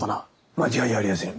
間違いありやせん。